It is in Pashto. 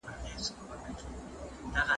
موږ به پانګه راکده کیدو ته پرینږدو.